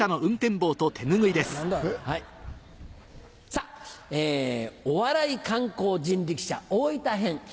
さぁお笑い観光人力車大分編。